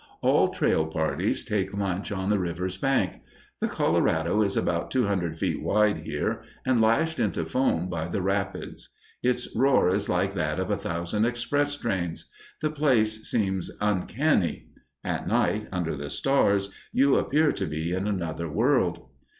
All trail parties take lunch on the river's bank. The Colorado is about two hundred feet wide here, and lashed into foam by the rapids. Its roar is like that of a thousand express trains. The place seems uncanny. At night, under the stars, you appear to be in another world.